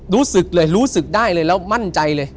รู้สึกเลยรู้สึกได้เลยแล้วมั่นใจเลย